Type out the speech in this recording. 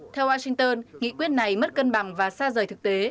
theo washington nghị quyết này mất cân bằng và xa rời thực tế